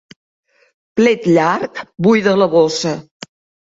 Plet llarg buida la bossa.